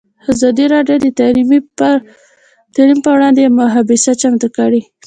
ازادي راډیو د تعلیم پر وړاندې یوه مباحثه چمتو کړې.